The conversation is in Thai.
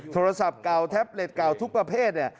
โทรศัพท์เก่าแท็บเล็ตเก่าทุกประเภท